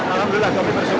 alhamdulillah kami bersyukur